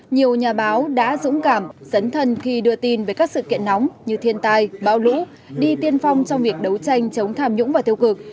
nhiều nhà báo đã dũng cảm dấn thân khi đưa tin về các sự kiện nóng như thiên tai bão lũ đi tiên phong trong việc đấu tranh chống tham nhũng và tiêu cực